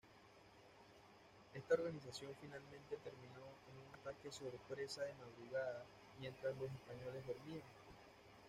Esta organización finalmente terminó en un ataque sorpresa de madrugada mientras los españoles dormían.